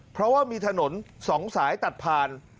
เพราะว่ามีถนน๒สายตัดผ่าน